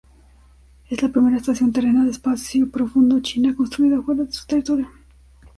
Es la primera estación terrena de espacio profundo china construida fuera de su territorio.